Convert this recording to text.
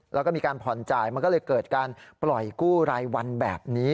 แล้วก็มีการผ่อนจ่ายมันก็เลยเกิดการปล่อยกู้รายวันแบบนี้